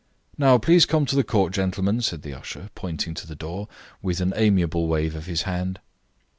"Now please to come to the court, gentlemen," said the usher, pointing to the door, with an amiable wave of his hand.